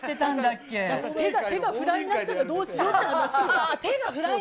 手がフライになったらどうし手がフライに。